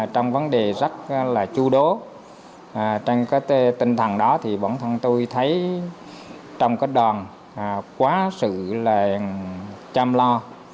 trong cái tình thẳng đó thì bản thân tôi thấy trong cái đoàn quá sự là chăm lo